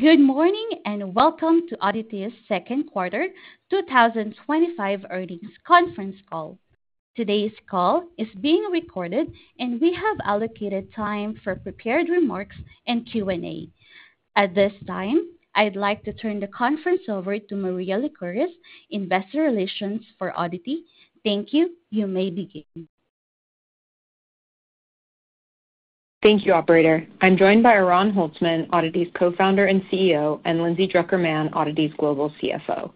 Good morning and welcome to ODDITY's Second Quarter 2025 Earnings Conference Call. Today's call is being recorded, and we have allocated time for prepared remarks and Q&A. At this time, I'd like to turn the conference over to Maria Lycouris, Head of Investor Relations for ODDITY. Thank you. You may begin. Thank you, operator. I'm joined by Oran Holtzman, ODDITY's Co-Founder and CEO, and Lindsay Drucker Mann, ODDITY's Global CFO.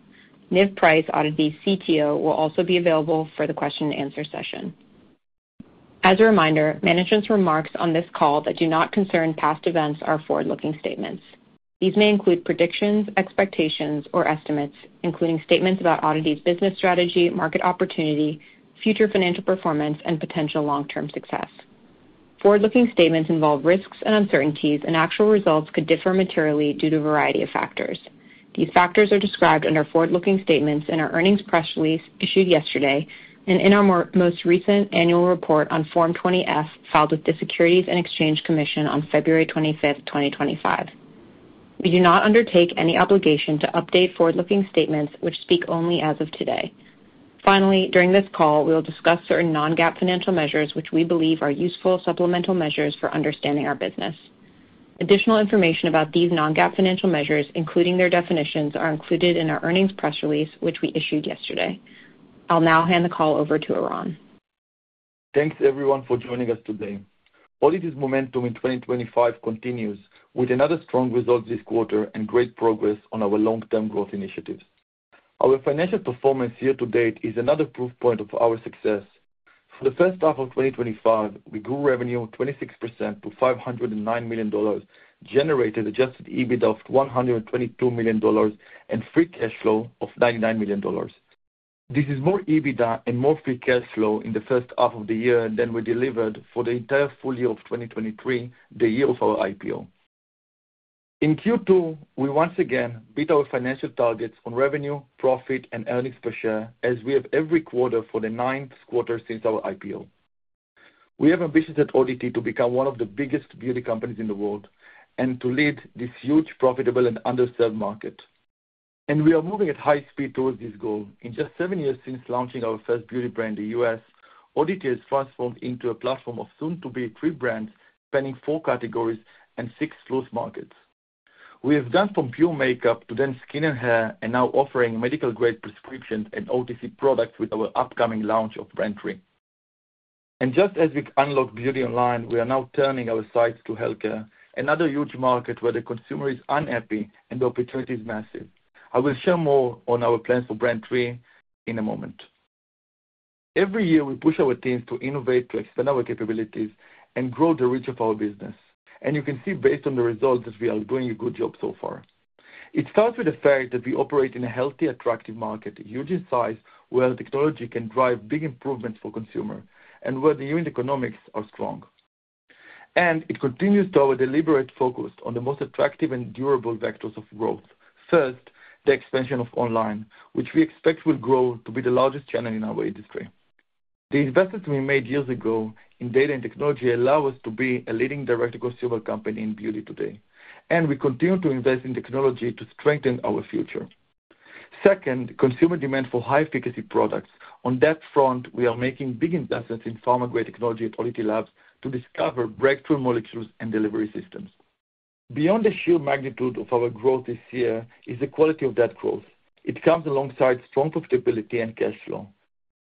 Niv Price, ODDITY's CTO, will also be available for the question and answer session. As a reminder, management's remarks on this call that do not concern past events are forward-looking statements. These may include predictions, expectations, or estimates, including statements about ODDITY's business strategy, market opportunity, future financial performance, and potential long-term success. Forward-looking statements involve risks and uncertainties, and actual results could differ materially due to a variety of factors. These factors are described under forward-looking statements in our earnings press release issued yesterday and in our most recent annual report on Form 20-F filed with the Securities and Exchange Commission on February 25th, 2025. We do not undertake any obligation to update forward-looking statements, which speak only as of today. Finally, during this call, we will discuss certain non-GAAP financial measures, which we believe are useful supplemental measures for understanding our business. Additional information about these non-GAAP financial measures, including their definitions, is included in our earnings press release, which we issued yesterday. I'll now hand the call over to Oran. Thanks, everyone, for joining us today. ODDITY's momentum in 2025 continues, with another strong result this quarter and great progress on our long-term growth initiatives. Our financial performance year to date is another proof point of our success. For the first half of 2025, we grew revenue 26% to $509 million, generated adjusted EBITDA of $122 million, and free cash flow of $99 million. This is more EBITDA and more free cash flow in the first half of the year than we delivered for the entire full year of 2023, the year of our IPO. In Q2, we once again beat our financial targets on revenue, profit, and earnings per share, as we have every quarter for the ninth quarter since our IPO. We have ambitions at ODDITY to become one of the biggest beauty companies in the world to lead this huge, profitable, and underserved market. We are moving at high speed towards this goal. In just seven years since launching our first beauty brand in the U.S., ODDITY has transformed into a platform of soon-to-be three brands, spanning four categories and six closed markets. We have gone from pure makeup to then skin and hair, and now offering medical-grade prescriptions and OTC products with our upcoming launch of Brand 3. Just as we unlocked beauty online, we are now turning our sights to healthcare, another huge market where the consumer is unhappy and the opportunity is massive. I will share more on our plans for Brand 3 in a moment. Every year, we push our teams to innovate, to expand our capabilities, and grow the reach of our business. You can see, based on the results, that we are doing a good job so far. It starts with the fact that we operate in a healthy, attractive market, huge in size, where technology can drive big improvements for consumers and where the unit economics are strong. It continues to our deliberate focus on the most attractive and durable vectors of growth. First, the expansion of online, which we expect will grow to be the largest channel in our industry. The investments we made years ago in data and technology allow us to be a leading direct-to-consumer company in beauty today. We continue to invest in technology to strengthen our future. Second, consumer demand for high-efficacy products. On that front, we are making big investments in pharma-grade technology at ODDITY Labs to discover breakthrough molecules and delivery systems. Beyond the sheer magnitude of our growth this year is the quality of that growth. It comes alongside strong profitability and cash flow.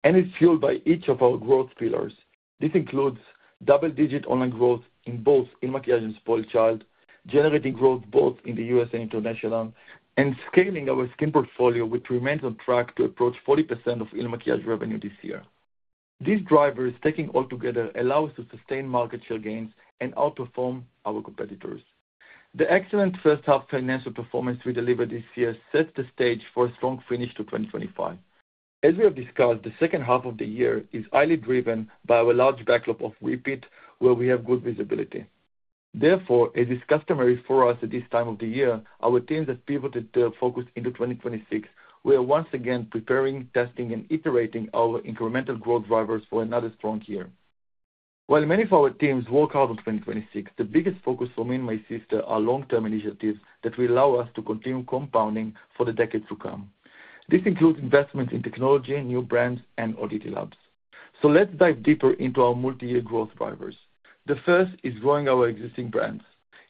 It's fueled by each of our growth pillars. This includes double-digit online growth in both IL MAKIAGE and SpoiledChild, generating growth both in the U.S. and international, and scaling our skin portfolio, which remains on track to approach 40% of IL MAKIAGE revenue this year. These drivers, taken all together, allow us to sustain market share gains and outperform our competitors. The excellent first-half financial performance we delivered this year sets the stage for a strong finish to 2025. As we have discussed, the second half of the year is highly driven by our large backlog of repeats, where we have good visibility. Therefore, it is customary for us at this time of the year, our teams have pivoted their focus into 2026, where once again preparing, testing, and iterating our incremental growth drivers for another strong year. While many of our teams walk out of 2026, the biggest focus for me and my sister are long-term initiatives that will allow us to continue compounding for the decades to come. This includes investments in technology, new brands, and ODDITY Labs. Let's dive deeper into our multi-year growth drivers. The first is growing our existing brands.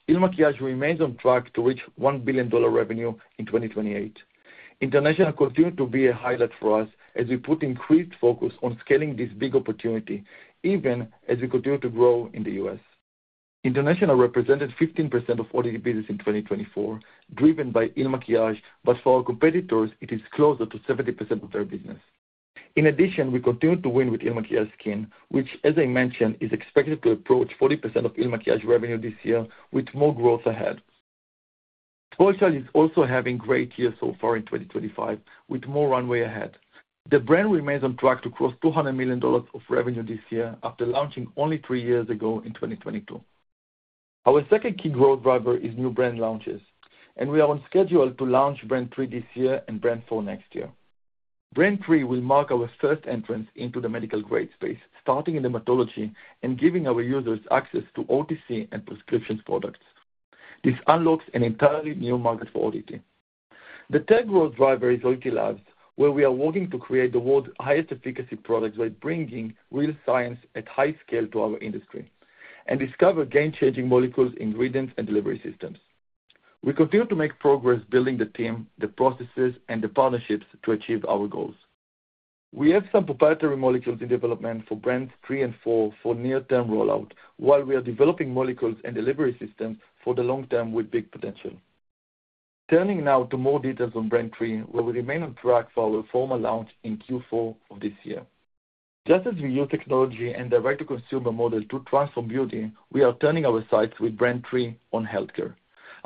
IL MAKIAGE remains on track to reach $1 billion revenue in 2028. International continues to be a highlight for us as we put increased focus on scaling this big opportunity, even as we continue to grow in the U.S. International represented 15% of ODDITY business in 2024, driven by IL MAKIAGE, but for our competitors, it is closer to 70% of their business. In addition, we continue to win with IL MAKIAGE skin, which, as I mentioned, is expected to approach 40% of IL MAKIAGE revenue this year, with more growth ahead. SpoiledChild is also having a great year so far in 2025, with more runway ahead. The brand remains on track to cross $200 million of revenue this year after launching only three years ago in 2022. Our second key growth driver is new brand launches, and we are on schedule to launch Brand 3 this year and Brand 4 next year. Brand 3 will mark our first entrance into the medical-grade dermatology space, starting in dermatology and giving our users access to OTC and prescription products. This unlocks an entirely new market for ODDITY. The third growth driver is ODDITY Labs, where we are working to create the world's highest efficacy products by bringing real science at high scale to our industry and discover game-changing molecules, ingredients, and delivery systems. We continue to make progress building the team, the processes, and the partnerships to achieve our goals. We have some proprietary molecules in development for Brand 3 and Brand 4 for near-term rollout, while we are developing molecules and delivery systems for the long term with big potential. Turning now to more details on Brand 3, where we remain on track for our formal launch in Q4 of this year. Just as we use technology and direct-to-consumer models to transform beauty, we are turning our sights with Brand 3 on healthcare.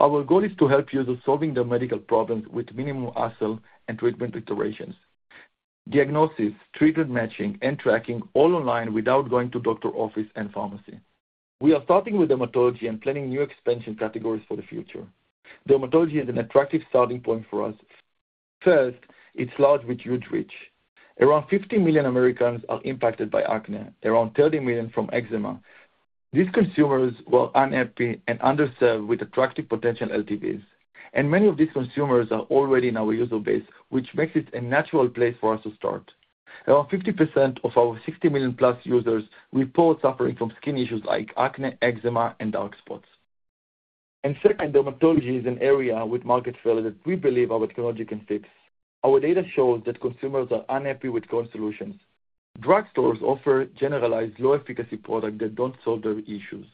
Our goal is to help users solve their medical problems with minimal hassle and treatment iterations. Diagnosis, treatment matching, and tracking all online without going to a doctor's office and pharmacy. We are starting with dermatology and planning new expansion categories for the future. Dermatology is an attractive starting point for us. First, it's large with huge reach. Around 50 million Americans are impacted by acne, around 30 million from eczema. These consumers are unhappy and underserved with attractive potential LTVs. Many of these consumers are already in our user base, which makes it a natural place for us to start. Around 50% of our 60 million-plus users report suffering from skin issues like acne, eczema, and dark spots. Second, dermatology is an area with market failure that we believe our technology can fix. Our data shows that consumers are unhappy with current solutions. Drugstores offer generalized low-efficacy products that don't solve their issues.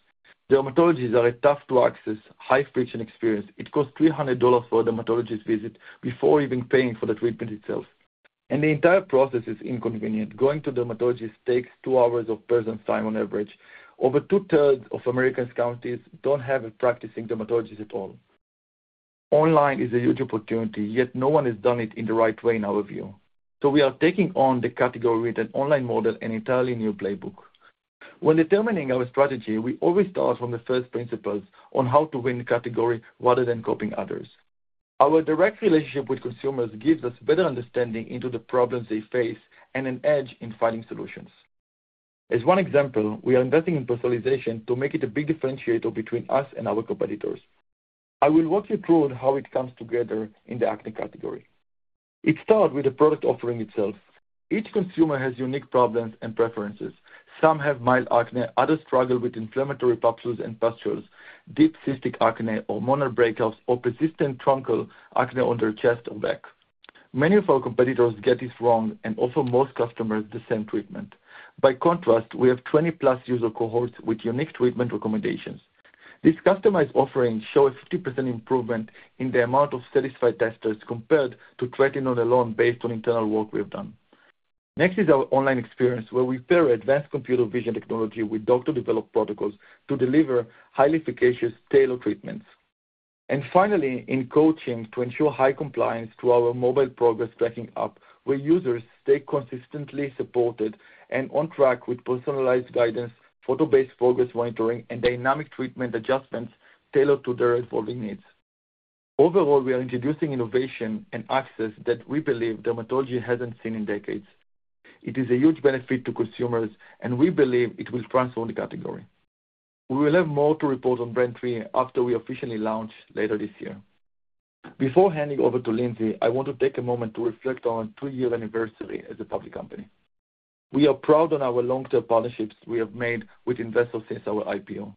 Dermatologists are tough to access, high friction experience. It costs $300 for a dermatologist visit before even paying for the treatment itself. The entire process is inconvenient. Going to dermatologists takes two hours of a person's time on average. Over two-thirds of Americans' counties don't have a practicing dermatologist at all. Online is a huge opportunity, yet no one has done it in the right way in our view. We are taking on the category with an online model and an entirely new playbook. When determining our strategy, we always start from the first principles on how to win the category rather than copying others. Our direct relationship with consumers gives us better understanding into the problems they face and an edge in finding solutions. As one example, we are investing in personalization to make it a big differentiator between us and our competitors. I will walk you through how it comes together in the acne category. It starts with the product offering itself. Each consumer has unique problems and preferences. Some have mild acne, others struggle with inflammatory papules and pustules, deep cystic acne, hormonal breakouts, or persistent truncal acne on their chest or back. Many of our competitors get this wrong and offer most customers the same treatment. By contrast, we have 20-plus user cohorts with unique treatment recommendations. This customized offering shows a 50% improvement in the amount of satisfied testers compared to tretinoin alone based on internal work we've done. Next is our online experience, where we pair advanced computer vision technology with doctor-developed protocols to deliver highly efficacious tailored treatments. Finally, in coaching to ensure high compliance through our mobile progress tracking app, users stay consistently supported and on track with personalized guidance, photo-based progress monitoring, and dynamic treatment adjustments tailored to their evolving needs. Overall, we are introducing innovation and access that we believe dermatology hasn't seen in decades. It is a huge benefit to consumers, and we believe it will transform the category. We will have more to report on Brand 3 after we officially launch later this year. Before handing over to Lindsay, I want to take a moment to reflect on our three-year anniversary as a public company. We are proud of our long-term partnerships we have made with investors since our IPO.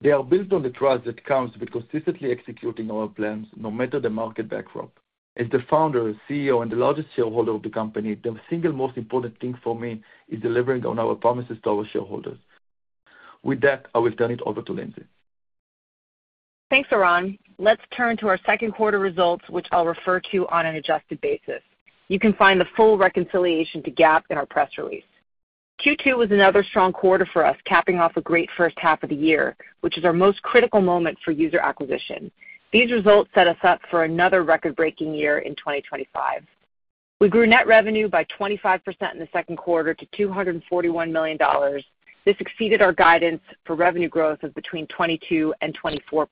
They are built on the trust that comes with consistently executing our plans no matter the market backdrop. As the Founder, CEO, and the largest shareholder of the company, the single most important thing for me is delivering on our promises to our shareholders. With that, I will turn it over to Lindsay. Thanks, Oran. Let's turn to our second quarter results, which I'll refer to on an adjusted basis. You can find the full reconciliation to GAAP in our press release. Q2 was another strong quarter for us, capping off a great first half of the year, which is our most critical moment for user acquisition. These results set us up for another record-breaking year in 2025. We grew net revenue by 25% in the second quarter to $241 million. This exceeded our guidance for revenue growth of between 22% and 24%.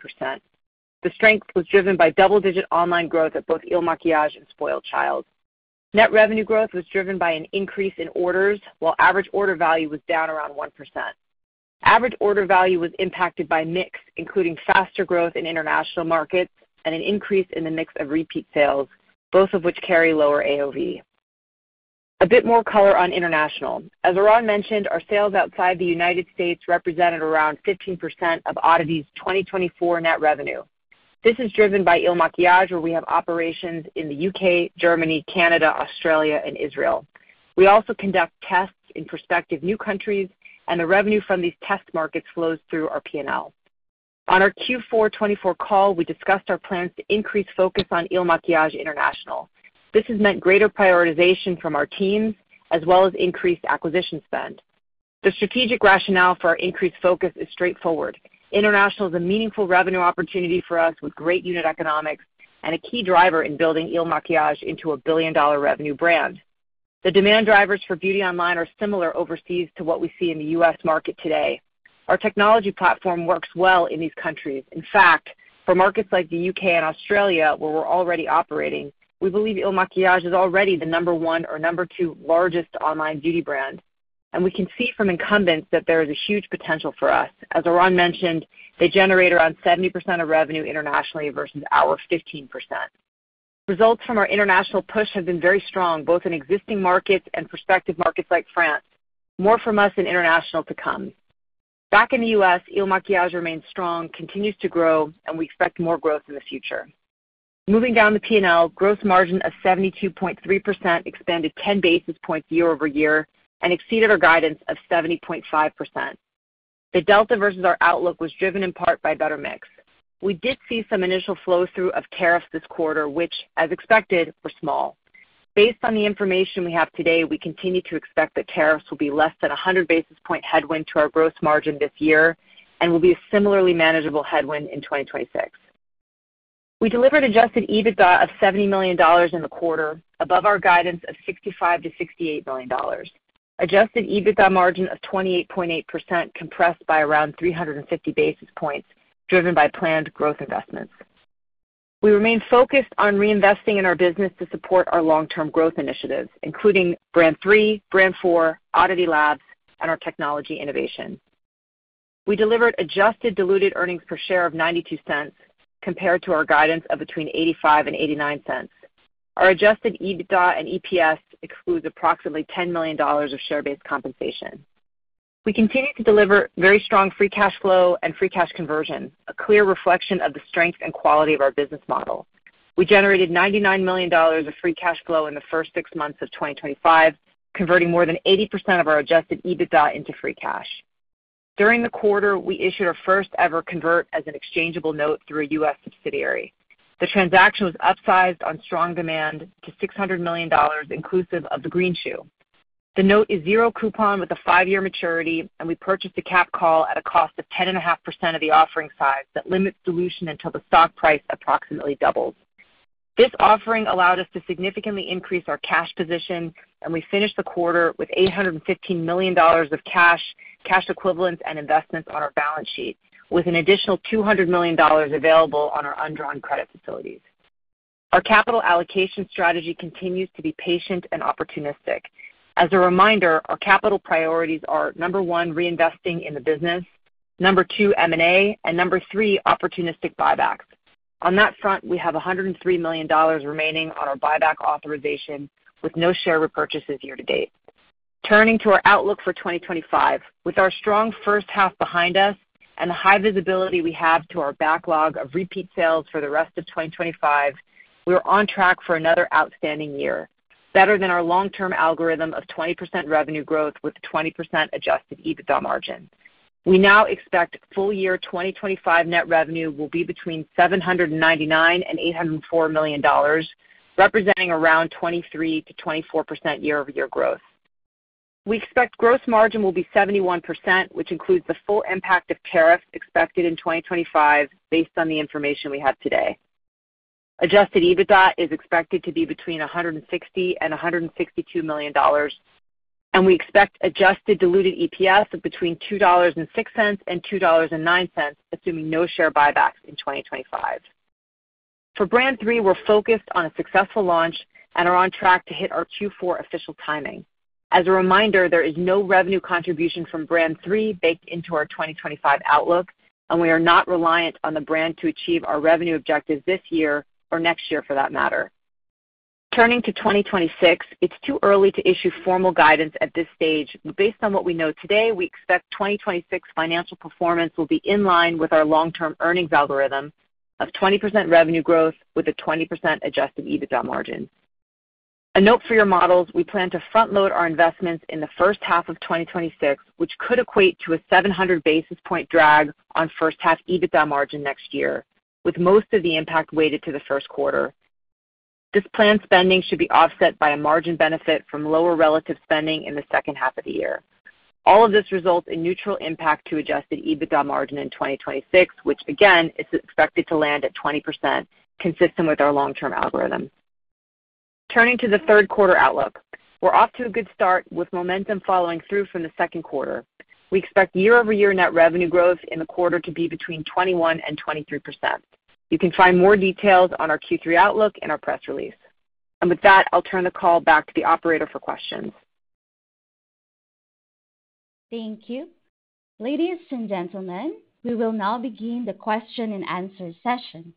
The strength was driven by double-digit online growth at both IL MAKIAGE and SpoiledChild. Net revenue growth was driven by an increase in orders, while average order value was down around 1%. Average order value was impacted by mix, including faster growth in international markets and an increase in the mix of repeat sales, both of which carry lower AOV. A bit more color on international. As Oran mentioned, our sales outside the U.S. represented around 15% of ODDITY Tech Ltd.'s 2024 net revenue. This is driven by IL MAKIAGE, where we have operations in the UK, Germany, Canada, Australia, and Israel. We also conduct tests in prospective new countries, and the revenue from these test markets flows through our P&L. On our Q4 2024 call, we discussed our plans to increase focus on IL MAKIAGE International. This has meant greater prioritization from our teams as well as increased acquisition spend. The strategic rationale for our increased focus is straightforward. International is a meaningful revenue opportunity for us with great unit economics and a key driver in building IL MAKIAGE into a billion-dollar revenue brand. The demand drivers for beauty online are similar overseas to what we see in the U.S. market today. Our technology platform works well in these countries. In fact, for markets like the UK and Australia, where we're already operating, we believe IL MAKIAGE is already the number one or number two largest online beauty brand. We can see from incumbents that there is a huge potential for us. As Oran mentioned, they generate around 70% of revenue internationally versus our 15%. Results from our international push have been very strong, both in existing markets and prospective markets like France. More from us in international to come. Back in the U.S., IL MAKIAGE remains strong, continues to grow, and we expect more growth in the future. Moving down the P&L, gross margin of 72.3% expanded 10 basis points year over year and exceeded our guidance of 70.5%. The delta versus our outlook was driven in part by better mix. We did see some initial flow-through of tariffs this quarter, which, as expected, were small. Based on the information we have today, we continue to expect that tariffs will be less than 100 basis point headwind to our gross margin this year and will be a similarly manageable headwind in 2026. We delivered an adjusted EBITDA of $70 million in the quarter, above our guidance of $65 million-$68 million. Adjusted EBITDA margin of 28.8% compressed by around 350 basis points, driven by planned growth investments. We remain focused on reinvesting in our business to support our long-term growth initiatives, including Brand 3, Brand 4, ODDITY Labs, and our technology innovation. We delivered adjusted diluted earnings per share of $0.92 compared to our guidance of between $0.85 and $0.89. Our adjusted EBITDA and EPS exclude approximately $10 million of share-based compensation. We continue to deliver very strong free cash flow and free cash conversion, a clear reflection of the strength and quality of our business model. We generated $99 million of free cash flow in the first six months of 2025, converting more than 80% of our adjusted EBITDA into free cash. During the quarter, we issued our first-ever convert as an exchangeable note through a U.S. subsidiary. The transaction was upsized on strong demand to $600 million, inclusive of the green shoe. The note is zero coupon with a five-year maturity, and we purchased a cap call at a cost of 10.5% of the offering size that limits dilution until the stock price approximately doubles. This offering allowed us to significantly increase our cash position, and we finished the quarter with $815 million of cash, cash equivalents, and investments on our balance sheet, with an additional $200 million available on our undrawn credit facilities. Our capital allocation strategy continues to be patient and opportunistic. As a reminder, our capital priorities are number one, reinvesting in the business, number two, M&A, and number three, opportunistic buybacks. On that front, we have $103 million remaining on our buyback authorization with no share repurchases year to date. Turning to our outlook for 2025, with our strong first half behind us and the high visibility we have to our backlog of repeat sales for the rest of 2025, we are on track for another outstanding year, better than our long-term algorithm of 20% revenue growth with 20% adjusted EBITDA margin. We now expect full-year 2025 net revenue will be between $799 million and $804 million, representing around 23% to 24% year-over-year growth. We expect gross margin will be 71%, which includes the full impact of tariffs expected in 2025 based on the information we have today. Adjusted EBITDA is expected to be between $160 million and $162 million, and we expect adjusted diluted EPS of between $2.06 and $2.09, assuming no share buybacks in 2025. For Brand 3, we're focused on a successful launch and are on track to hit our Q4 official timing. As a reminder, there is no revenue contribution from Brand 3 baked into our 2025 outlook, and we are not reliant on the brand to achieve our revenue objectives this year or next year for that matter. Turning to 2026, it's too early to issue formal guidance at this stage. Based on what we know today, we expect 2026 financial performance will be in line with our long-term earnings algorithm of 20% revenue growth with a 20% adjusted EBITDA margin. A note for your models, we plan to front-load our investments in the first half of 2026, which could equate to a 700 basis point drag on first-half EBITDA margin next year, with most of the impact weighted to the first quarter. This planned spending should be offset by a margin benefit from lower relative spending in the second half of the year. All of this results in neutral impact to adjusted EBITDA margin in 2026, which again is expected to land at 20%, consistent with our long-term algorithm. Turning to the third quarter outlook, we're off to a good start with momentum following through from the second quarter. We expect year-over-year net revenue growth in the quarter to be between 21% and 23%. You can find more details on our Q3 outlook in our press release. With that, I'll turn the call back to the operator for questions. Thank you. Ladies and gentlemen, we will now begin the question and answer session.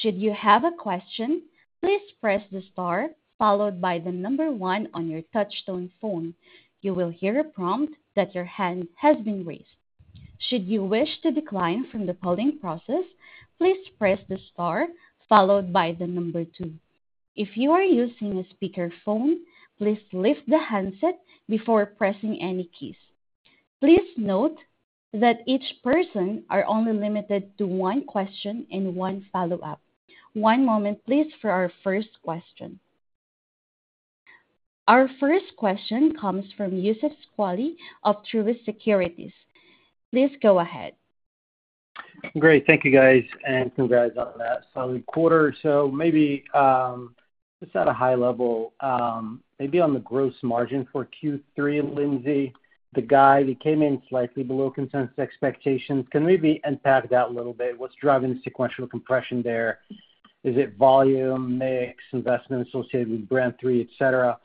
Should you have a question, please press the star followed by the number one on your touch-tone phone. You will hear a prompt that your hand has been raised. Should you wish to decline from the polling process, please press the star followed by the number two. If you are using a speaker phone, please lift the handset before pressing any keys. Please note that each person is only limited to one question and one follow-up. One moment, please, for our first question. Our first question comes from Youssef Houssaini Squali of Truist Securities. Please go ahead. Great. Thank you, guys, and congrats on that solid quarter. Maybe just at a high level, on the gross margin for Q3, Lindsay, we came in slightly below consensus expectations. Can you maybe unpack that a little bit? What's driving the sequential compression there? Is it volume, mix, investment associated with Brand 3, et cetera?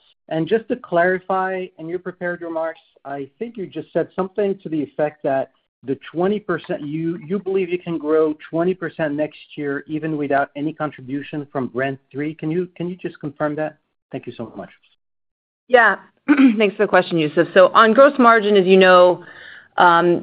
Just to clarify, in your prepared remarks, I think you said something to the effect that the 20% you believe you can grow 20% next year even without any contribution from Brand 3. Can you just confirm that? Thank you so much. Yeah. Thanks for the question, Youssef. So on gross margin, as you know,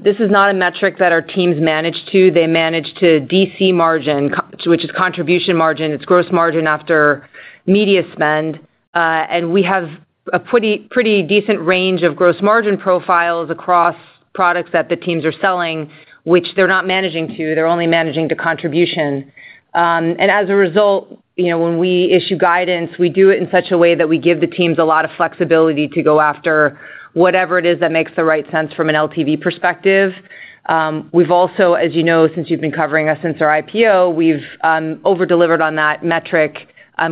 this is not a metric that our teams manage to. They manage to DC margin, which is contribution margin. It's gross margin after media spend. We have a pretty decent range of gross margin profiles across products that the teams are selling, which they're not managing to. They're only managing the contribution. As a result, when we issue guidance, we do it in such a way that we give the teams a lot of flexibility to go after whatever it is that makes the right sense from an LTV perspective. We've also, as you know, since you've been covering us since our IPO, over-delivered on that metric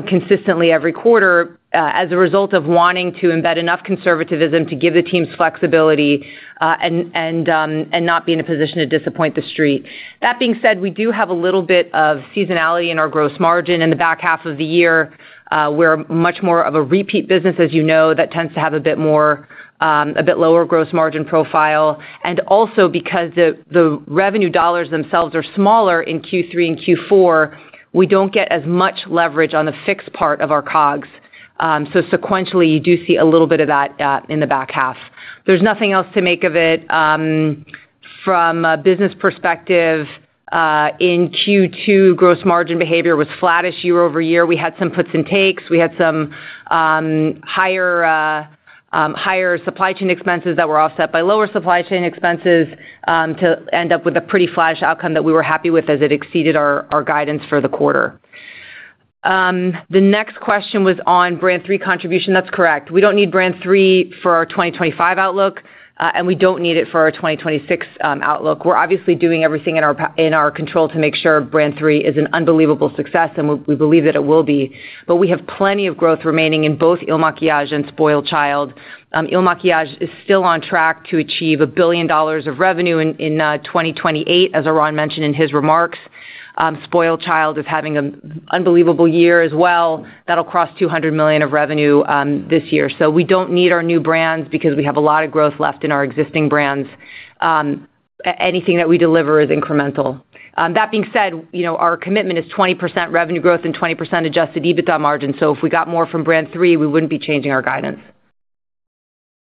consistently every quarter as a result of wanting to embed enough conservatism to give the teams flexibility and not be in a position to disappoint the street. That being said, we do have a little bit of seasonality in our gross margin in the back half of the year. We're much more of a repeat business, as you know, that tends to have a bit lower gross margin profile. Also, because the revenue dollars themselves are smaller in Q3 and Q4, we don't get as much leverage on the fixed part of our COGs. Sequentially, you do see a little bit of that in the back half. There's nothing else to make of it. From a business perspective, in Q2, gross margin behavior was flattish year over year. We had some puts and takes. We had some higher supply chain expenses that were offset by lower supply chain expenses to end up with a pretty flattish outcome that we were happy with as it exceeded our guidance for the quarter. The next question was on Brand 3 contribution. That's correct. We don't need Brand 3 for our 2025 outlook, and we don't need it for our 2026 outlook. We're obviously doing everything in our control to make sure Brand 3 is an unbelievable success, and we believe that it will be. We have plenty of growth remaining in both IL MAKIAGE and SpoiledChild. IL MAKIAGE is still on track to achieve $1 billion of revenue in 2028, as Oran mentioned in his remarks. SpoiledChild is having an unbelievable year as well. That'll cross $200 million of revenue this year. We don't need our new brands because we have a lot of growth left in our existing brands. Anything that we deliver is incremental. That being said, our commitment is 20% revenue growth and 20% adjusted EBITDA margin. If we got more from Brand 3, we wouldn't be changing our guidance.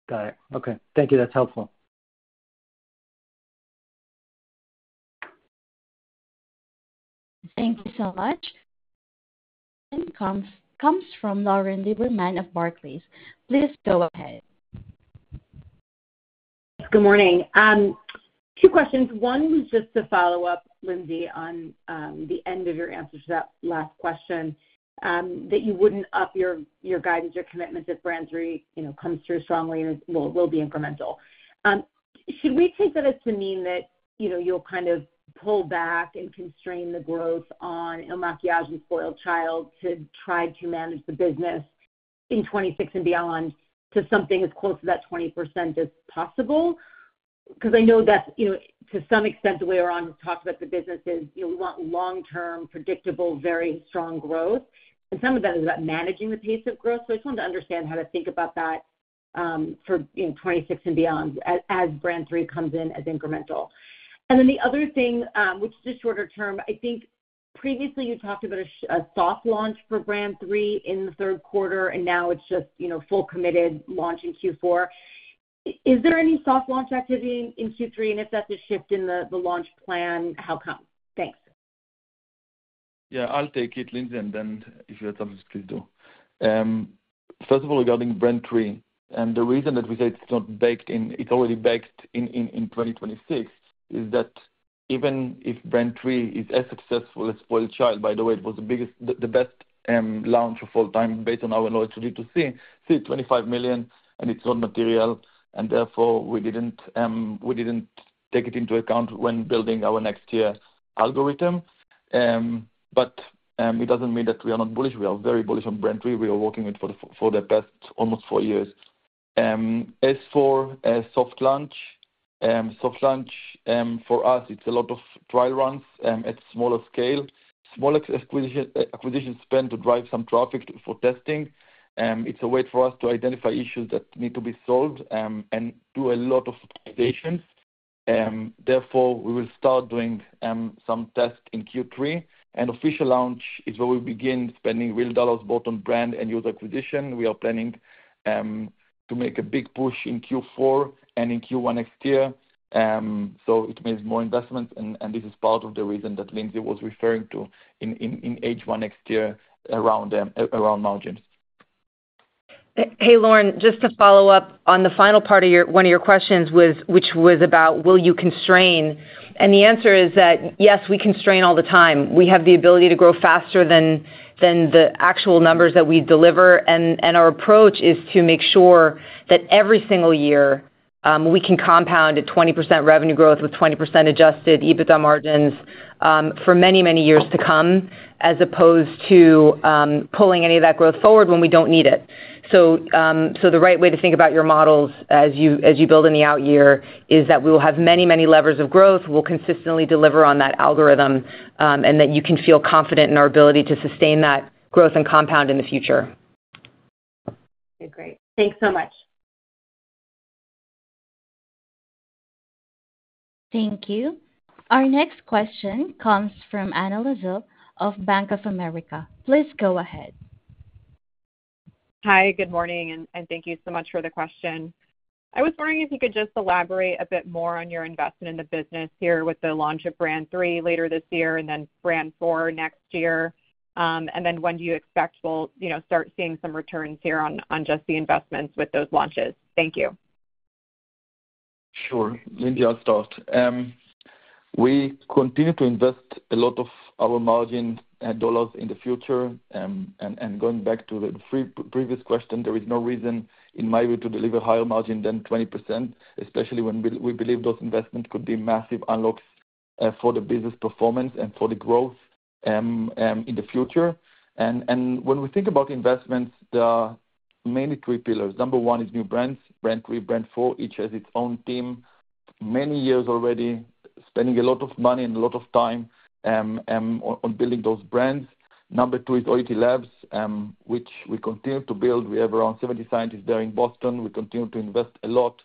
Got it. Okay, thank you. That's helpful. Thank you so much. Next comes from Lauren Rae Lieberman of Barclays Bank PLC. Please go ahead. Good morning. Two questions. One was just to follow up, Lindsay, on the end of your answer to that last question that you wouldn't up your guidance or commitment that Brand 3 comes through strongly and will be incremental. Should we take that as to mean that you'll kind of pull back and constrain the growth on IL MAKIAGE and SpoiledChild to try to manage the business in 2026 and beyond to something as close to that 20% as possible? Because I know that's, you know, to some extent, the way Oran has talked about the business is, you know, we want long-term, predictable, very strong growth. Some of that is about managing the pace of growth. I just wanted to understand how to think about that for 2026 and beyond as Brand 3 comes in as incremental. The other thing, which is a shorter term, I think previously you talked about a soft launch for Brand 3 in the third quarter, and now it's just, you know, full committed launch in Q4. Is there any soft launch activity in Q3? If that's a shift in the launch plan, how come? Thanks. Yeah. I'll take it, Lindsay, and then if you have something to do. First of all, regarding Brand 3, the reason that we say it's not baked in, it's already baked in 2026 is that even if Brand 3 is as successful as SpoiledChild, by the way, it was the biggest, the best launch of all time based on our knowledge to see $25 million, and it's not material. Therefore, we didn't take it into account when building our next-year algorithm. It doesn't mean that we are not bullish. We are very bullish on Brand 3. We are working with it for the past almost four years. As for a soft launch, soft launch for us, it's a lot of trial runs at smaller scale. Smaller acquisition spend to drive some traffic for testing. It's a way for us to identify issues that need to be solved and do a lot of expectations. Therefore, we will start doing some tests in Q3. Official launch is where we begin spending real dollars both on brand and user acquisition. We are planning to make a big push in Q4 and in Q1 next year. It means more investments, and this is part of the reason that Lindsay was referring to in H1 next year around margin. Hey, Lauren. Just to follow up on the final part of one of your questions, which was about, will you constrain? The answer is that, yes, we constrain all the time. We have the ability to grow faster than the actual numbers that we deliver. Our approach is to make sure that every single year we can compound at 20% revenue growth with 20% adjusted EBITDA margins for many, many years to come, as opposed to pulling any of that growth forward when we don't need it. The right way to think about your models as you build in the out year is that we will have many, many levers of growth. We'll consistently deliver on that algorithm and you can feel confident in our ability to sustain that growth and compound in the future. Great. Thanks so much. Thank you. Our next question comes from Anna Jeanne Lizzul of BofA Securities. Please go ahead. Hi. Good morning, and thank you so much for the question. I was wondering if you could just elaborate a bit more on your investment in the business here with the launch of Brand 3 later this year and Brand 4 next year. When do you expect we'll start seeing some returns here on just the investments with those launches? Thank you. Sure. Lindsay, I'll start. We continue to invest a lot of our margin dollars in the future. Going back to the previous question, there is no reason in my view to deliver higher margin than 20%, especially when we believe those investments could be massive unlocks for the business performance and product growth in the future. When we think about investments, there are mainly three pillars. Number one is new brands, Brand 3, Brand 4. Each has its own team. Many years already spending a lot of money and a lot of time on building those brands. Number two is ODDITY Labs, which we continue to build. We have around 70 scientists there in Boston. We continue to invest a lot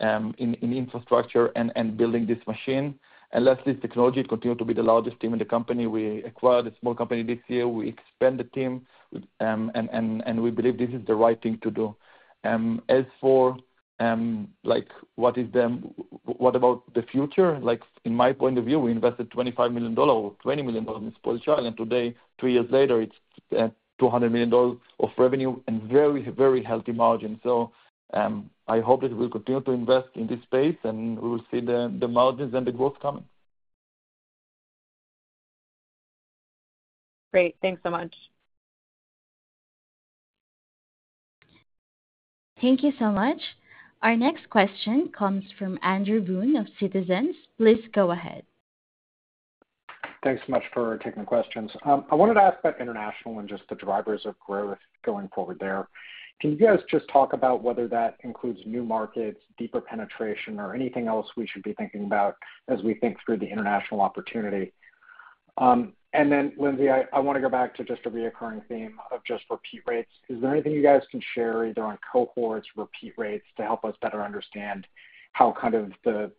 in infrastructure and building this machine. Lastly, it's technology. Continue to be the largest team in the company. We acquired a small company this year. We expand the team, and we believe this is the right thing to do. As for what about the future? In my point of view, we invested $25 million or $20 million in SpoiledChild, and today, three years later, it's $200 million of revenue and very, very healthy margins. I hope that we'll continue to invest in this space, and we will see the margins and the growth coming. Great. Thanks so much. Thank you so much. Our next question comes from Andrew M. Boone of Citizens JMP Securities. Please go ahead. Thanks so much for taking the questions. I wanted to ask about international and just the drivers of growth going forward there. Can you guys just talk about whether that includes new markets, deeper penetration, or anything else we should be thinking about as we think through the international opportunity? Lindsay, I want to go back to just a recurring theme of just repeat rates. Is there anything you guys can share either on cohorts or repeat rates to help us better understand how kind of the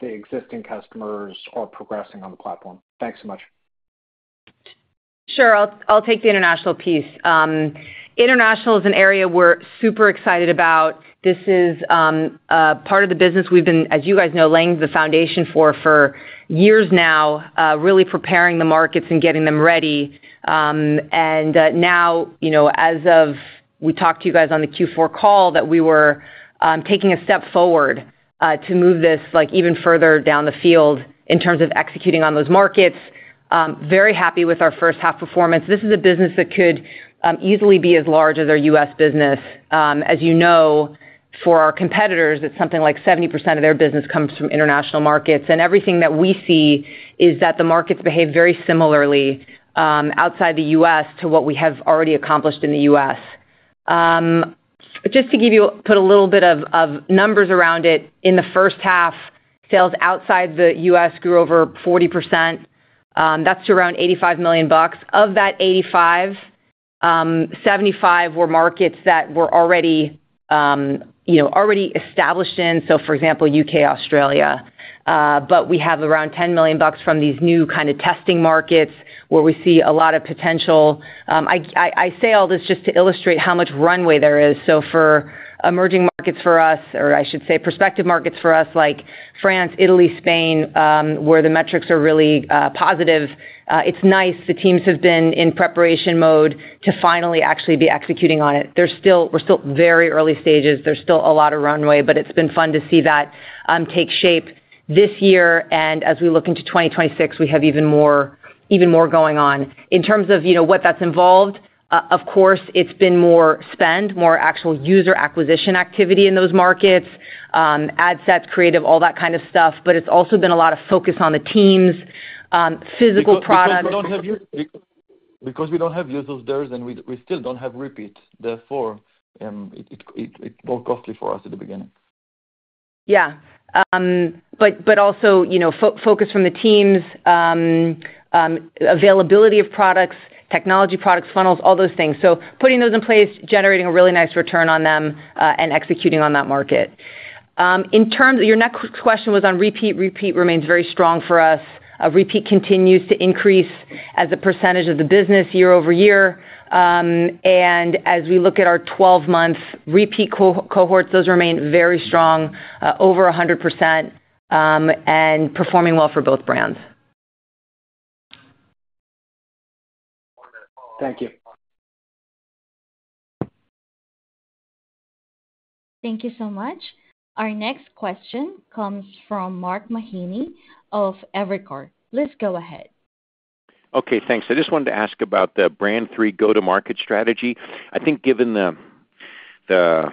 existing customers are progressing on the platform? Thanks so much. Sure. I'll take the international piece. International is an area we're super excited about. This is part of the business we've been, as you guys know, laying the foundation for for years now, really preparing the markets and getting them ready. You know, as we talked to you guys on the Q4 call, we were taking a step forward to move this even further down the field in terms of executing on those markets. Very happy with our first-half performance. This is a business that could easily be as large as our U.S. business. As you know, for our competitors, it's something like 70% of their business comes from international markets. Everything that we see is that the markets behave very similarly outside the U.S. to what we have already accomplished in the U.S. Just to give you a little bit of numbers around it, in the first half, sales outside the U.S. grew over 40%. That's to around $85 million. Of that $85 million, $75 million were markets that we're already established in, so for example, UK, Australia. We have around $10 million from these new kind of testing markets where we see a lot of potential. I say all this just to illustrate how much runway there is. For emerging markets for us, or I should say prospective markets for us like France, Italy, Spain, where the metrics are really positive, it's nice. The teams have been in preparation mode to finally actually be executing on it. We're still very early stages. There's still a lot of runway, but it's been fun to see that take shape this year. As we look into 2026, we have even more going on. In terms of what that's involved, of course, it's been more spend, more actual user acquisition activity in those markets, ad sets, creative, all that kind of stuff. It's also been a lot of focus on the teams, physical products. Because we don't have users there, and we still don't have repeat. Therefore, it's more costly for us at the beginning. Yeah. Focus from the teams, availability of products, technology products, funnels, all those things. Putting those in place, generating a really nice return on them, and executing on that market. Your next question was on repeat. Repeat remains very strong for us. Repeat continues to increase as a percentage of the business year over year. As we look at our 12-month repeat cohorts, those remain very strong, over 100%, and performing well for both brands. Thank you. Thank you so much. Our next question comes from Mark Stephen F. Mahaney of Evercore ISI. Please go ahead. Okay. Thanks. I just wanted to ask about the Brand 3 go-to-market strategy. I think given the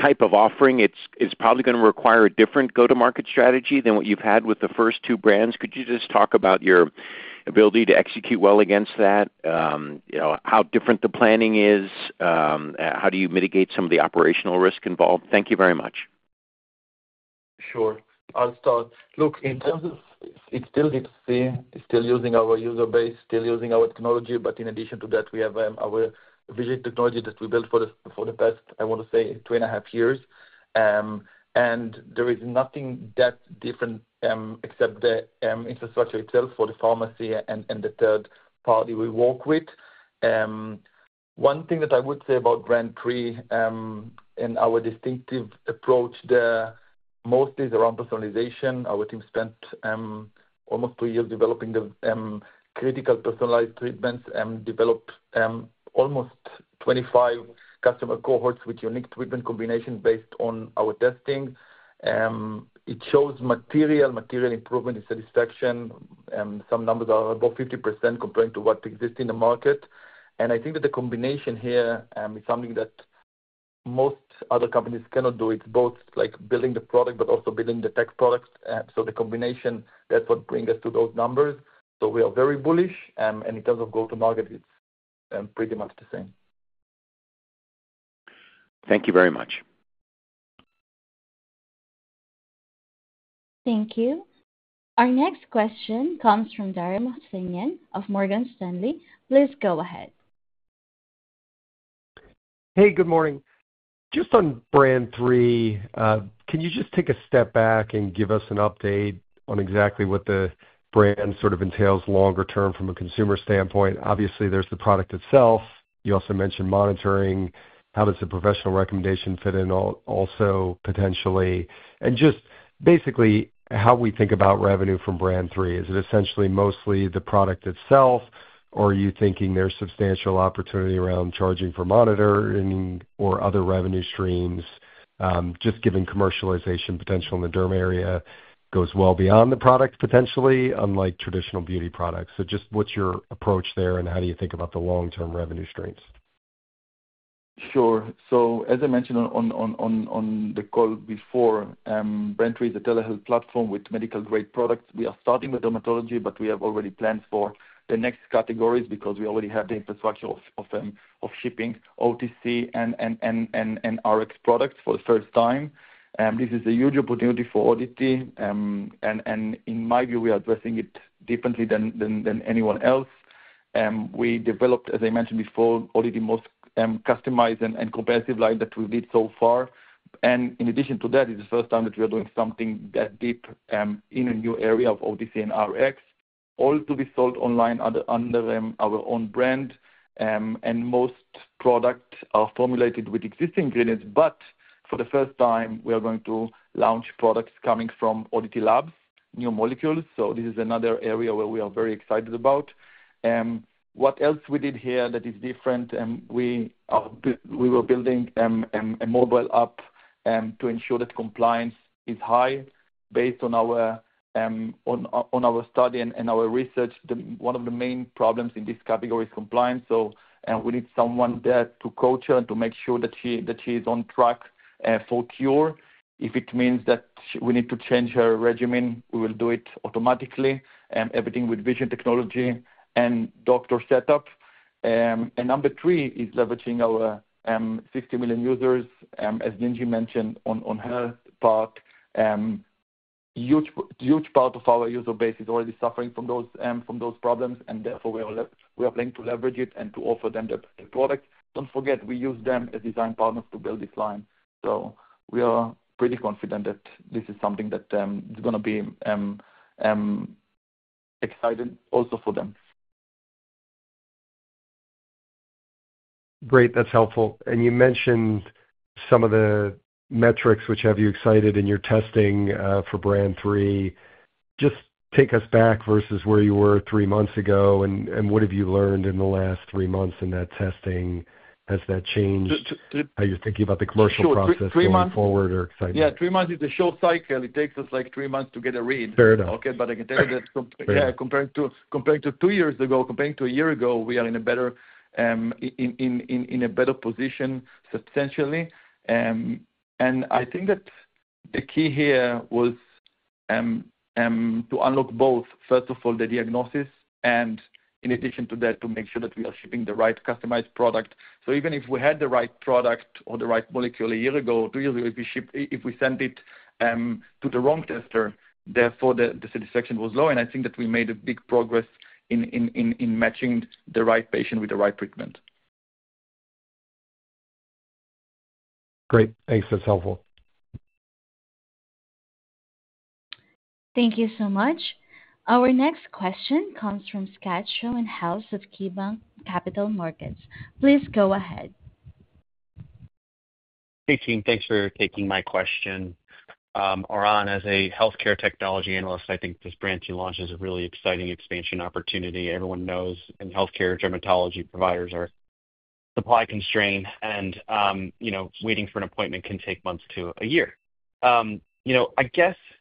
type of offering, it's probably going to require a different go-to-market strategy than what you've had with the first two brands. Could you just talk about your ability to execute well against that, how different the planning is, how do you mitigate some of the operational risk involved? Thank you very much. Sure. I'll start. Look, in terms of it's still B2C. It's still using our user base, still using our technology. In addition to that, we have our vision technology that we built for the past, I want to say, two and a half years. There is nothing that different except the infrastructure itself for the pharmacy and the third party we work with. One thing that I would say about Brand 3 and our distinctive approach there mostly is around personalization. Our team spent almost two years developing the critical personalized treatments and developed almost 25 customer cohorts with unique treatment combinations based on our testing. It shows material, material improvement in satisfaction. Some numbers are above 50% compared to what exists in the market. I think that the combination here is something that most other companies cannot do. It's both like building the product, but also building the tech products. The combination, that's what brings us to those numbers. We are very bullish. In terms of go-to-market, it's pretty much the same. Thank you very much. Thank you. Our next question comes from Maria Lycouris of Morgan Stanley. Please go ahead. Hey, good morning. Just on Brand 3, can you just take a step back and give us an update on exactly what the brand sort of entails longer term from a consumer standpoint? Obviously, there's the product itself. You also mentioned monitoring. How does a professional recommendation fit in also potentially? Just basically, how we think about revenue from Brand 3. Is it essentially mostly the product itself, or are you thinking there's substantial opportunity around charging for monitoring or other revenue streams? Just given commercialization potential in the derm area, goes well beyond the product potentially, unlike traditional beauty products. What's your approach there, and how do you think about the long-term revenue streams? Sure. As I mentioned on the call before, Brand 3 is a telehealth platform with medical-grade products. We are starting with dermatology, but we already have plans for the next categories because we already have the infrastructure of shipping OTC and prescription products for the first time. This is a huge opportunity for ODDITY Tech Ltd., and in my view, we are addressing it differently than anyone else. We developed, as I mentioned before, ODDITY's most customized and comparative line that we did so far. In addition to that, it's the first time that we are doing something that deep in a new area of OTC and prescription, all to be sold online under our own brand. Most products are formulated with existing ingredients, but for the first time, we are going to launch products coming from ODDITY Labs, new molecules. This is another area where we are very excited. What else did we do here that is different? We were building a mobile app to ensure that compliance is high based on our study and our research. One of the main problems in this category is compliance. We need someone there to coach her and to make sure that she is on track for cure. If it means that we need to change her regimen, we will do it automatically, everything with computer vision technology and doctor setup. Number three is leveraging our 50 million users. As Lindsay Drucker Mann mentioned on her part, a huge part of our user base is already suffering from those problems. Therefore, we are planning to leverage it and to offer them the product. Don't forget, we use them as design partners to build this line. We are pretty confident that this is something that is going to be exciting also for them. Great. That's helpful. You mentioned some of the metrics which have you excited in your testing for Brand 3. Just take us back versus where you were three months ago, and what have you learned in the last three months in that testing? Has that changed how you're thinking about the commercial process going forward or excitement? Three months is a short cycle. It takes us like three months to get a read. Fair enough. Okay. I can tell you that, yeah, compared to two years ago, compared to a year ago, we are in a better position substantially. I think that the key here was to unlock both, first of all, the diagnosis, and in addition to that, to make sure that we are shipping the right customized product. Even if we had the right product or the right molecule a year ago or two years ago, if we send it to the wrong tester, therefore, the satisfaction was low. I think that we made a big progress in matching the right patient with the right treatment. Great. Thanks. That's helpful. Thank you so much. Our next question comes from Scott Anthony Schoenhaus of KeyBanc Capital Markets Inc. Please go ahead. Hey, team. Thanks for taking my question. Oran, as a healthcare technology analyst, I think this branching launch is a really exciting expansion opportunity. Everyone knows in healthcare, dermatology providers are supply constrained, and waiting for an appointment can take months to a year.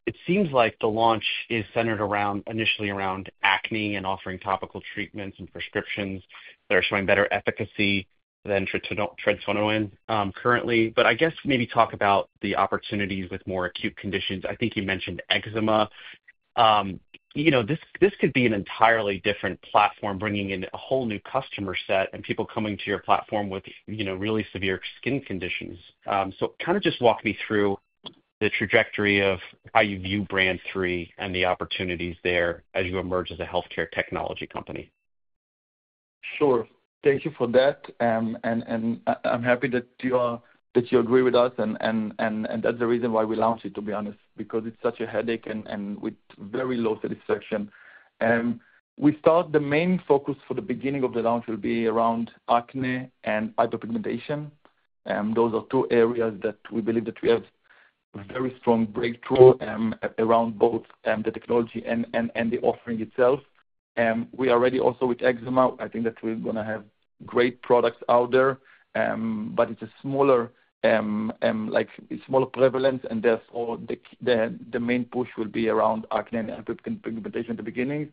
It seems like the launch is centered initially around acne and offering topical treatments and prescriptions that are showing better efficacy than tretinoin currently. I guess maybe talk about the opportunities with more acute conditions. I think you mentioned eczema. This could be an entirely different platform, bringing in a whole new customer set and people coming to your platform with really severe skin conditions. Just walk me through the trajectory of how you view Brand 3 and the opportunities there as you emerge as a healthcare technology company. Sure. Thank you for that. I'm happy that you agree with us, and that's the reason why we launched it, to be honest, because it's such a headache and with very low satisfaction. We thought the main focus for the beginning of the launch will be around acne and hyperpigmentation. Those are two areas that we believe that we have a very strong breakthrough around both the technology and the offering itself. We are ready also with eczema. I think that we're going to have great products out there, but it's a smaller prevalence, and therefore, the main push will be around acne and hyperpigmentation at the beginning.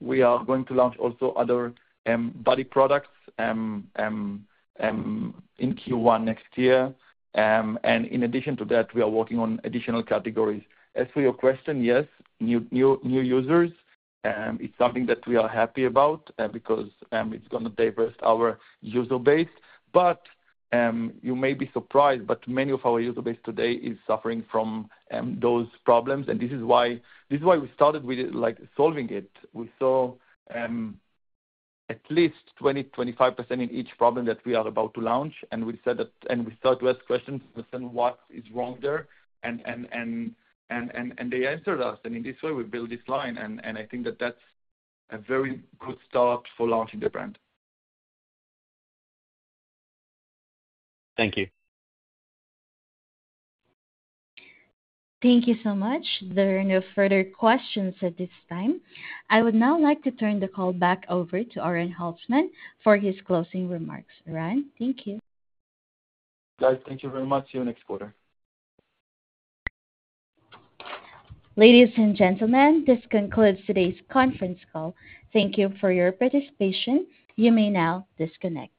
We are going to launch also other body products in Q1 next year. In addition to that, we are working on additional categories. As for your question, yes, new users, it's something that we are happy about because it's going to diversify our user base. You may be surprised, but many of our user base today is suffering from those problems. This is why we started with solving it. We saw at least 20%-25% in each problem that we are about to launch. We said that, and we started to ask questions, "Listen, what is wrong there?" They answered us. In this way, we built this line. I think that that's a very good start for launching the brand. Thank you. Thank you so much. There are no further questions at this time. I would now like to turn the call back over to Oran Holtzman for his closing remarks. Oran, thank you. Guys, thank you very much. See you next quarter. Ladies and gentlemen, this concludes today's conference call. Thank you for your participation. You may now disconnect.